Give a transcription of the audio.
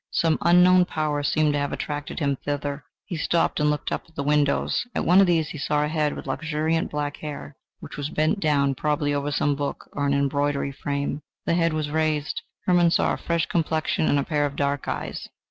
Some unknown power seemed to have attracted him thither. He stopped and looked up at the windows. At one of these he saw a head with luxuriant black hair, which was bent down probably over some book or an embroidery frame. The head was raised. Hermann saw a fresh complexion and a pair of dark eyes.